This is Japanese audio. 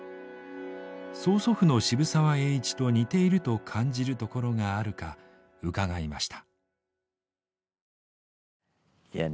曽祖父の渋沢栄一と似ていると感じるところがあるか伺いました。